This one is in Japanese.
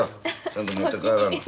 ちゃんと持って帰らな。